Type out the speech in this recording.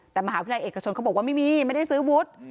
แต่มหาวิทยาลัยเอกชนเขาบอกว่าไม่มีไม่ได้ซื้อวุฒิ